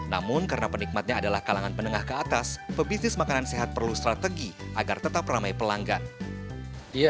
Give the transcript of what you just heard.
namun karena penikmatnya adalah kalangan penengah ke atas pebisnis makanan sehat perlu strategi agar tetap ramai pelanggan